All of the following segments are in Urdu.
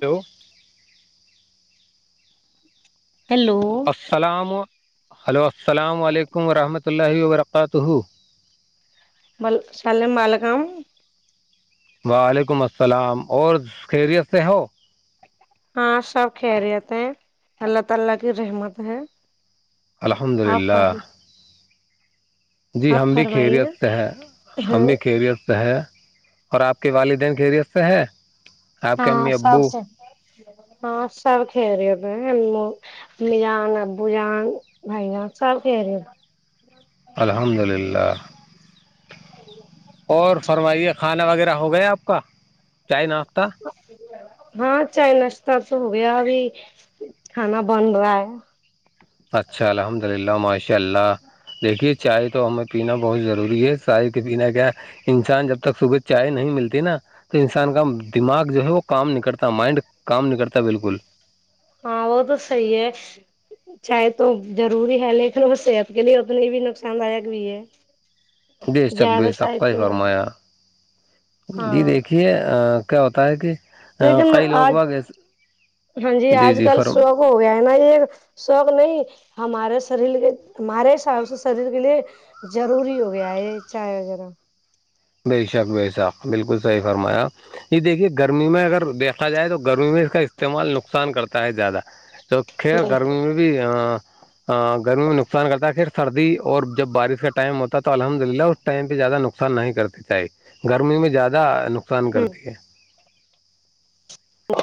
ہلو ہیلو السلام ہیلو السلام علیکم ورحمۃ اللہلہ وبرکاتہ ب سالم بالگام وعلیکم السلام اور خیریت سے ہو ہاں سب خیریت ہے اللہ تعالی کی رحمت ہے الحمد آپ للہ فرم جی آپ ہم بھی خیریت فرمائیے سے ہیں ہم بھی خیریت ہے اور آپ کے والدین خیریت سے ہے آپ کے ہاں امی سب ابو ک ہاں سب کھیری اب امی جان ابو جان بھائی جان سب کہہ رہے ہو الحمد للہ اور فرمائیے کھانا وغیرہ ہو گیا آپ کا چائے ناشتہ ہاں چائے ناشتہ تو ہو گیا ابھی کھانا بن رہا ہے اچھا الحمد للہ ماشاء اللہ دیکھیے چائے تو ہمیں پینا بہت ضروری ہے چائے کے پین کیا انسان جب تک صبح چائے نہیں ملتی نا تو انسان کا دماغ جو ہے وہ کام نکلتا مائنڈ کام نہیں کرتا بالکل ا تو سیے چاہے تو روری ہے لیکن وہ صحت کے لیے اتنی بھی نقصان داک بھی ہے بے تک بے زیادہ تک چائے کا ہی پینے سے فرمایا جی ہاں دیکھیے کیا ہوتا ہے کہ لیکن کئی لوگ آج باگ ہاں جی آج کل شوق ہو گیا ہے نا یہ شوق نہیں ہمارے شریر کے ہمارے حساب سے شریر کے لیے ضروری ہو گیا ہے چائے وغیرہ بے شق بے شق بالکل صحی فرمایا یہ دیکھیے گرمی میں اگر دیکھا جائے تو گرمی میں اس کا استعمال نقصان کرتا ہے زیادہ تو کھیل گرمی میں بھی گرمی میں نقصان کرتا ہے پھر سردی اور جب بارش کا ٹائم ہوتا ہے تو الحمد للہ اور ٹائم پہ زیادہ نقصان نہیں کرتے چاہی گرمی میں زیادہ نقصان ہ کرتی ہے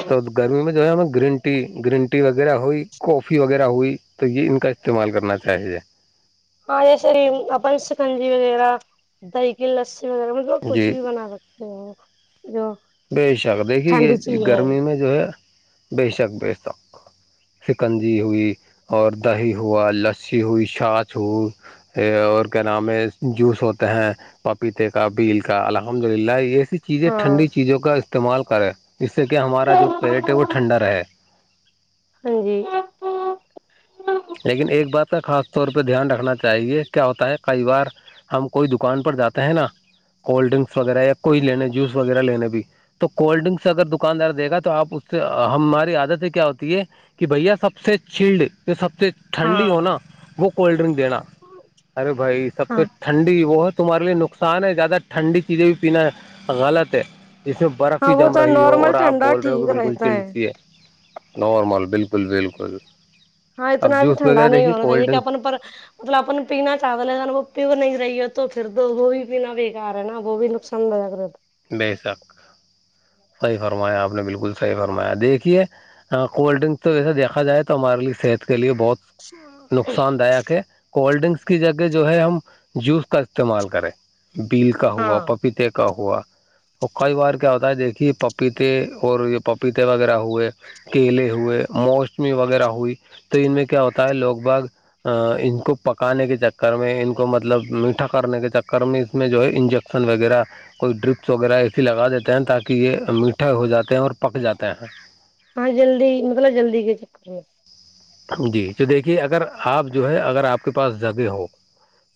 تو گرمی میں جو ہے ہمیں گرین ٹی گرین ٹی وغیرہ ہوئی کافی وغیرہ ہوئی تو یہ ان کا استعمال کرنا چاہیے ہاں یہ سری اپنسکنجی وغیرہ دہ کی لسی وغیرہ م کچھ جی بھی بنا سکتے ہو جو بے شک دیکھیے یہ ٹھنڈی چیز ہے گرمی میں جو ہے بے شک بے شک شکنجی ہوئی اور دہی ہوا لسی ہوئی چاچھ ہو اور کیا نام ہے جوس ہوتے ہیں پپیتے کا بیل کا الحمد للہ یہ س چیزیں ہاں ٹھنڈی چیزوں کا استعمال کریں ج سے کہ ہمارا جو پیٹ ہے وہ ٹھنڈا رہے ہاں جی لیکن ایک بات کا خاص طور پہ دھیان رکھنا چاہیے کیا ہوتا ہے کئی بار ہم کوئی دکان پر جاتے ہیں نا کولڈ ڈرنکس وغیرہ یا کوئی لینے جوس وغیرہ لینے بھی تو کولڈ ڈرنکس اگر دکاندار دے گا تو آپ اس سے ہم ہماری عادت سے کیا ہوتی ہے کہ بھیا سب سے چلڈ سب سے ہاں ٹھنڈی ہوناا وہ کولڈ ڈرنک دینا ارے بھائی سب سے ہاں ٹھنڈی وہ ہے تمہارے لیے نقصان ہے زیادہ ٹھنڈی چیزیں بھی پینا غلط ہے ج میں برف ہی ہاں وہ جم تو رہی ہو نارمل اور آپ ٹھنڈا بول رہے ہو کہ ٹھیک بالکل رہتا چلتی ہے نارمل بالکل بالکل ہاں اب اتنا ا بھی جوس ٹھنڈا وغیرہ نہیں دیکھیے ہونا کولڈ چاہیے کہ ڈرنکس اپن پر مطلب اپن پینا چاول ہے وہ پی نہیں رہی ہے تو پھر دو وہ بھی پینا بےیکار ہے نا وہ بھی نقصان دک رہتا بے شک صحیح فرمایا آپ نے بالکل صحیح فرمایا دیکھیے ہاں کولڈ ڈرنک تو جیسا دیکھا جائے تو ہمارے لیے صحت کے لیے بہت نقصان داک ہے کولڈ ڈرنکس کی جگہ جو ہے ہم جوس کا استعمال کریں بیل کا ہے۔ ہوا ہاں پپیتے کا ہوا اور کئی بار کیا ہوتا ہے دیکھیے پپیتے اور یہ پپیتے وغیرہ ہوئے کیلے ہوئے موسمی وغیرہ ہوئی تو ان میں کیا ہوتا ہے لوگ بھگ ا ان کو پکانے کے چکر میں ان کو مطلب میٹھا کرنے کے چکر میں اس میں جو ہے انجیک ن وغیرہ کوئی ڈرپ وغیرہ ایسی لگا دیتے ہیں تاکہ یہ میٹھا ہو جاتے ہیں اور پک جاتے ہیں ہاں جلدی مطلب جلدی کے چکر میں جی تو دیکھیے اگر آپ جو ہے اگر آپ کے پاس جگہ ہو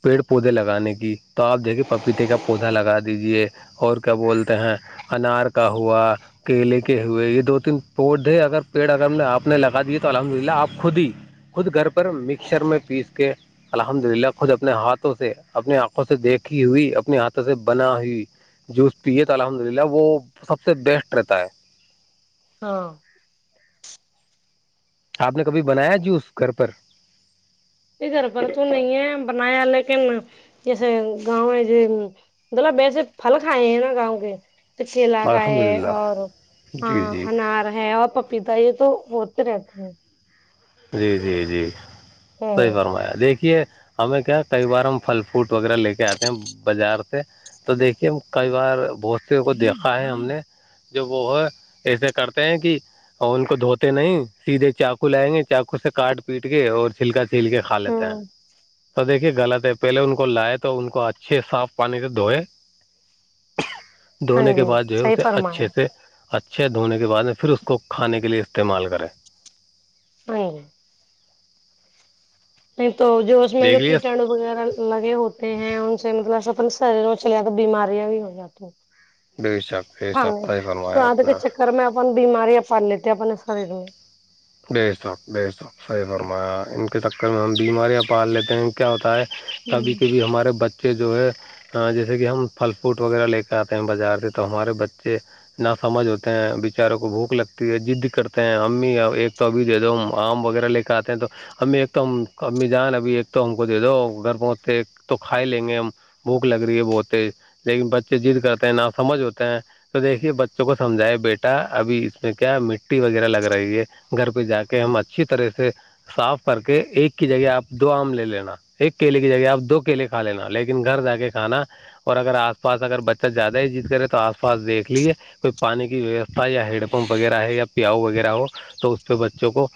پیڑ پودے لگانے کی تو آپ دیکھیے پپیتے کا پودا لگا دیجیے اور کیا بولتے ہیں انار کا ہوا کیلے کے ہوئے یہ دو تین پودے اگر پیڑ اگر ہم نے آپ نے لگا دیے تو الحمد للہ آپ خود ہی خود گھر پر مکسر میں پیس کے الحمد للہ خود اپنے ہاتھوں سے اپنی آنکھوں سے دیکھی ہوئی اپنے ہاتھوں سے بنا ہوئی جوس پیے تھ الحمد للہ وہ سب سے بیسٹ رہتا ہے ہاں آپ نے کبھی بنایا جوس گھر پر پ گرپل تو نہیں ہے بنایا لیکن جیسے گاؤں ہے ج مطلب ویسے پھل کھائے ہیں نا گاؤں کے کچھ علاقا الحمد ہے للہ اور جی ہاں جی انار ہے اور پپیتا یہ تو ہوتے رہتے ہیں جی جی جی صحی ہوں فرمایا دیکھیے ہمیں کیا کئی بار ہم پھل فوٹ وغیرہ لے کے آتے ہیں بازار سے تو دیکھیے کئی بار بہت س کو دیکھا ہے ہم نے جو وہ ہے ایسے کرتے ہیں کہ ان کو دھوتے نہیں سیدھے چاقو لائیں گے چقو سے کاٹ پیٹ کے اور چھلکا چھل کے کھا لیتا ہیں ہوں تو دیکھ غلط ہے پہلے ان کو لائے تو ان کو اچھے صاف پانی سے دھوئے ہاں دھونے کے جی بعد جو ہے صحیح اسے فرمایا اچھے سے اچھے دھونے کے بعد میں پھر اس کو کھانے کے لیے استعمال کریں نہیںل نہیں تو جو اس میں جو دیکھ لیے کیٹڑ وغیرہ لگے ہوتے ہیں ان سے مطلب اپنے شریر میں چلے جاتے بیماریاں بھی ہو جاتی بے شک بے شک کانے صحیح فرمایا سواد آپ کے نے چکر میں اپن بیماریاں پال لیتے اپنے شریر میں بے ش وق بےش س وق صحیح فرمایا ان کے چکر میں ہم بیماریاں پال لیتے ہیں کیا ہوتا ہے کبھی ہوں کبھی ہمارے بچے جو ہے جیسے کہ ہم پھل فوٹ وغیرہ لے کے آتے ہیں بازار سے تو ہمارے بچے نہ سمجھ ہوتے ہیں بیچاروں کو بھوک لگتی ہے جضد کرتے ہیں امی ایک تو ابھی دے دو آم وغیرہ لے کے آتے ہیں تو امی ایک تو ہم امی جان ابھی ایک تو ہم کو دے دو گھر پہنچتے تو کھائی لیں گے ہم بھوک لگ رہی ہے بہتے لیکن بچے جضد کرتے ہیں نہ سمجھ ہوتے ہیں تو دیکھیے بچوں کو سمجھاائے بیٹا ابھی اس میں کیا مٹی وغیرہ لگ رہی ہے گھر پہ جا کے ہم اچھی طرح سے صاف کر کے ایک کی جگہ آپ دو آم لے لینا ایک کیلے کی جگہ آپ دو کیلے کھا لینا لیکن گھر جا کے کھانا اور اگر آس پاس اگر بچہ زیادہ ہی جیت کرے تو آس پاس دیکھ لیجے کوئی پانی کی ویوستھا یا ہیڈ پمپ وغیرہ ہے یا پیاؤ وغیرہ ہو تو تو بچوں کو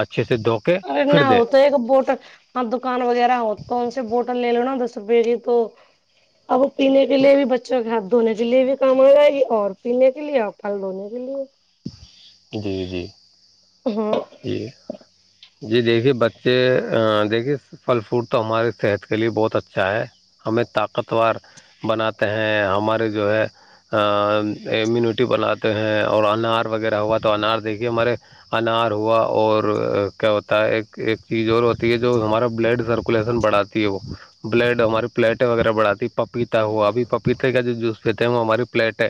اچھے سے د ارے نہ ہو تو ایک بوٹ ہاں دکان وغیرہ ہو تو ان سے بوٹل لے لو نا دس روپے کی تو اب وہ پینے کے لیے بھی بچوں کے ہاتھ دھونے کے لیے بھی کما یہ اور پینے کے لیے اور پھل دھونے کے لیے جیدی جیدی ہاں جی جی دیکھیے بچے دیکھیے پھل فوڈ تو ہماراری صحت کے لیے بہت اچھا ہے ہمیں طاقتور بناتے ہیں ہمارے جو ہے امیونٹی بناتے ہیں اور انار وغیرہ ہوا تو انار دیکھیے ہمارے انار ہوا اور کیا ہوتا ہے ایک چیز اور ہوتا یہ جو ہمارا بلڈ سرکولیشن بڑھاتی ہے وہ بلڈ ہماری پلیٹیں وغیرہ بڑھاتی پپیتا ہو ابھی پپیتے کا جوس دیتے ہیں وہ ہماری پلیٹ ہے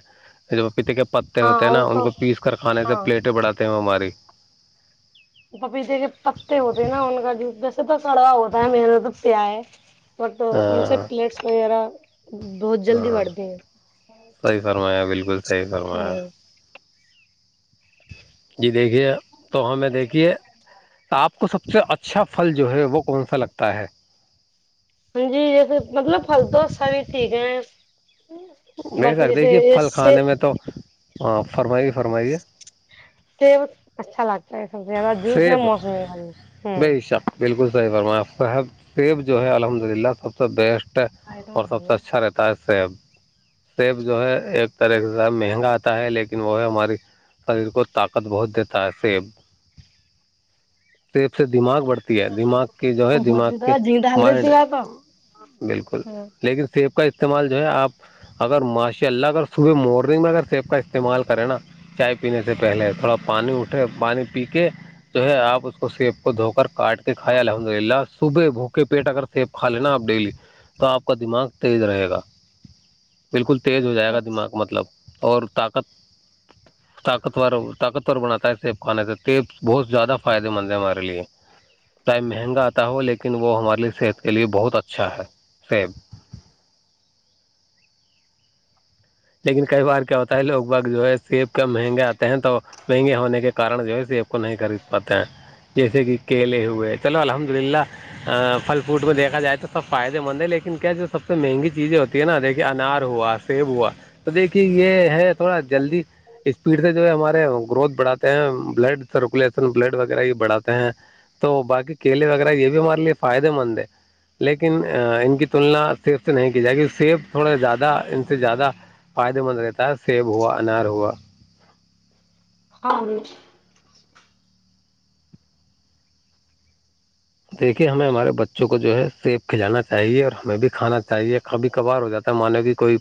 جو پپیتے کے پتے ہوتے ہیں ہاں نا وہ ان تو کو پیس کر کھانے سے ہاں پلیٹیں بڑھاتے ہیں ہماری پپیتے کے پتے ہوتے ہیں نا ان کا جوس جیسے تو کڑوا ہوتا ہے من تو پیا ہے بت ان سے ہاں پلیٹس وغیرہ بہت جلدی ہاں وڑتے ہیں صحیح فرمایا بالکل صحیح ہ فرمایا [unintelligible] جی دیکھیے تو ہمیں دیکھیے آپ کو سب سے اچھا اچھا پھل جو ہے وہ کون سا لگتا ہے ہاں جی جیسے مطلب فھلدسا بھی ٹھیک ہے د بٹ سکتے جیسے کہ یہ پھل سے کھانے میں تو ہاں فرمائی گی فرمائیے اچھا لگتا ہے سب سے زیادہ جوس میں سیب موسمی والس ہ بے شک بالکل صحیح فرما صاحب سیب جو ہے الحمد للہ سب سے بیسٹ اور سب سے اچھا رہتا ہے اس سے سیب جو ہے ایک طرح سے مہنگا آتا ہے لیکن وہ ہے ہماری شریر کو طاقت بہت دیتا ہے سیب سیب سے دماغ بڑتا ہے دماغ کے جو ہے ہوں دماغ کے جی ڈال مائنڈ دیتی ہے تو بالکل ہاں لیکن سیب کا استعمال جو ہے آپ اگر ماشاء اللہ اگر صبح مارننگ میں اگر سیب کا استعمال کریں نا چائے پینے سے پہلے تھوڑا پانی اٹھے پانی پی کے جو ہے آپ اس کو سیب کو دھو کر کاٹ کے کھائے الحمد للہ صبح بھوکے پیٹ اگر سیب کھا لینا آپ ڈیلی تو آپ کا دماغ تیز رہے گا بالکل تیز ہو جائے گا دماغ مطلب اور طاقت طاقتور طاقت ر بناتا ہے سیب کھانے سے تیب بہت زیادہ فائد مند ہے ہمارے لیے چ مہنگا آتا ہو لیکن وہ ہمارے لیے صحت کے لیے بہت اچھا ہے سیب لیکن کئی بار کیا ہوتا ہے لوگ بگ جو ہے سیب کے مہنگے آتے ہیں تو مہنگے ہونے کے کن جو ہے سیب کو نہیں خرید پاتے ہیں جیسے کہ کیلے ہوئے چلو الحمد للہ پل فروٹ میں دیکھا جائے تو سب فائدے مند ہے لیکن کیا جو سب سے مہنگی چیزیں ہوتی ہے نا دیکھیے انار ہوا سیب ہوا تو دیکھیے یہ ہے تھوڑا جلدی اسپیڈ سے جو ہے ہمارے گروھ بڑھاتے ہیں بلڈ سرکولیشن بلڈ وغیرہ یہ بڑھاتے ہیں تو باقی کیلے وغیرہ یہ بھی ہمارے لیے فائدے مند ہے لیکن ان کی تلنا سیف سے نہیں کی جائے کی سیف تھوڑا زیادہ ان سے زیادہ فائدے مند رہتا ہے سیب ہوا انار ہوا ہاں دیکھیے ہمیں ہمارے بچوں کو جو ہے سیب کھلانا چاہیے اور ہمیں بھی کھانا چاہیے کبھی کبھار ہو جاتا ہے مان بھی کوئی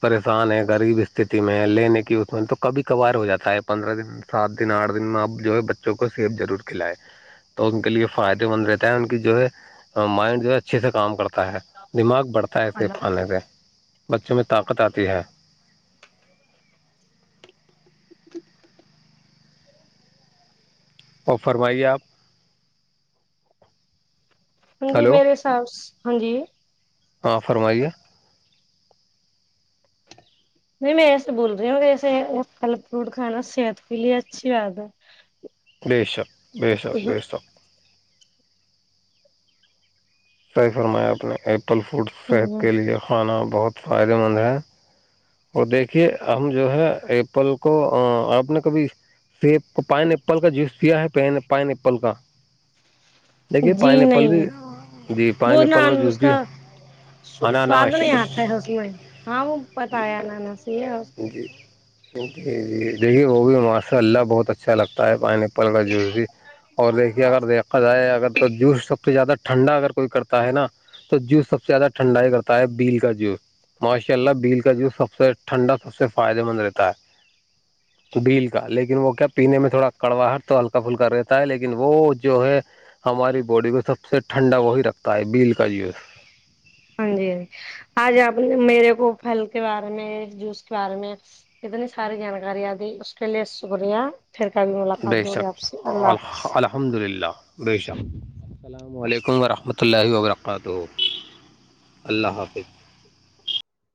پریشان ہے غریب استھتی میں ہے لینے کی اس میں تو کبھی کبھار ہو جاتا ہے پندرہ دن سات دن آٹھ دن میں اپ جو ہے بچوں کو سیب ضرور کھلائے تو ان کے لیے فائدہ مند رہتا ہے ان کی جو ہے مائنڈ جو ہے اچھے سے کام کرتا ہے دماغ بڑھتا ہے سیب کھانے سے بچوں میں طاقت آتی ہے اور فرمائیے آپ ہاں جی ہلو میرے حاب ہاں جی [unintelligible] ہاں فرمائیے نہیں میں ایسے بول رہی ہوں ایسے پھل فروٹ کھانا صحت کے لیے اچھی بات ہے بی ش آاکک بے شااکک بیے شااکک سر فرمایا اپنے ایپل فوڈ صحت ہ کے لیے کھانا بہت فائدے مند ہے وہ دیکھیے ہم جو ہے اپپل کو آپ نے کبھی سیب کا پائن ایپل کا جوس کیا ہے پائن ایپل کا دیکھیے جی پائنی ایپل نہیں بھی جی پائن وہ نا ایپل کا جوس اس بھی سواد اناناش نہیں آتا میں ہاں وہ پتایا ن نا صی ہے جی جی جی دیکھیے وہ بھی ماشاء اللہ بہت اچھا لگتا ہے پ نے پل کا جوس بھی اور دیکھیے اگر دیکھا جائے اگر تو جوس سب سے زیادہ ٹھنڈا اگر کوئی کر ہے نا تو جوس سب سے زیادہ ٹھنڈا ہی کرتا ہے بیل کا جوس ماشاء اللہ بیل کا جو سب سے ٹھنڈا سب سے فائدے مند رہتا ہے بیل کا لیکن وہ کیا پینے میں تھوڑا کڑواہٹ تو ہلکا پھلکا رہتا ہے لیکن وہ جو ہے ہماری باڈی کو سب سے ٹھنڈا وہی رکھتا ہے بیل کا یوز ہاں جی ہاں جی آج آپ نے میرے کو پھل کے بارے میں جوس کے بارے میں کتنی ساری جانکارییاںد اس کے لیے شکریہ پھر کاب بھی ملاقات بے دو گیا آپ سے شک اللہ حافظ الحمد للہ بے شک السلام علیکم ورحمۃ اللہ وبرکاتہ اللہ حافظ